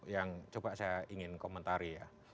yang coba saya ingin komentari ya